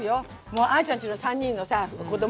もうあちゃんちの３人のさ子供。